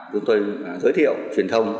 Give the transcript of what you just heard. chúng tôi giới thiệu truyền thông